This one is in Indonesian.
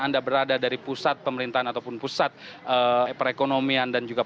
anda berada dari pusat pemerintahan ataupun pusat perekonomian dan juga